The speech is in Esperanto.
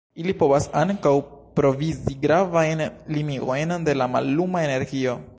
Ili povas ankaŭ provizi gravajn limigojn de la malluma energio.